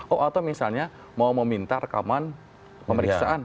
oh atau misalnya mau meminta rekaman pemeriksaan